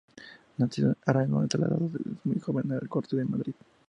Nacido en Aragón se trasladó desde muy joven a la corte en Madrid.